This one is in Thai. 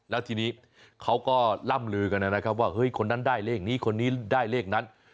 แล้วทีนี้เขาก็ล่ำลือกันนะครับว่าเฮ้ยคนนั้นได้เลขนี้คนนี้ได้เลขนั้น